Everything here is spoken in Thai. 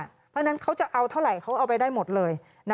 เพราะฉะนั้นเขาจะเอาเท่าไหร่เขาเอาไปได้หมดเลย